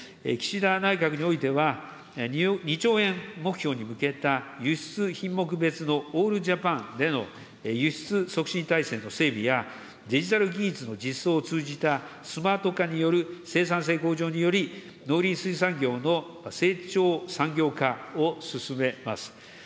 岸田内閣においては、２兆円目標に向けた輸出品目別のオールジャパンでの輸出促進体制の整備や、デジタル技術の実装を通じたスマート化による生産性向上により、農林水産業の成長産業化を進めます。